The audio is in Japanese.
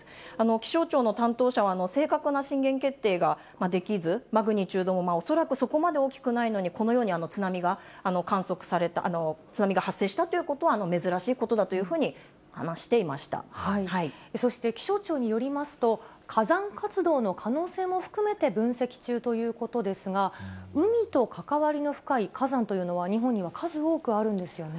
気象庁の担当者は、正確な震源決定ができず、マグニチュードも恐らくそこまで大きくないのに、このように津波が観測された、津波が発生したということは珍しいことだというふうに話していまそして気象庁によりますと、火山活動の可能性も含めて分析中ということですが、海と関わりの深い火山というのは、日本には数多くあるんですよね。